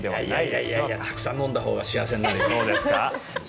いやいやたくさん飲んだほうが幸せになれる。